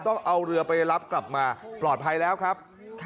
ต้องเอาเรือไปรับกลับมาปลอดภัยแล้วครับ